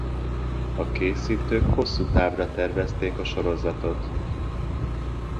A készítők hosszú távra tervezték a sorozatot.